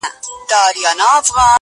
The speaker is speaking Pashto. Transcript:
باطل پرستو په مزاج ډېره تره خه یم کنې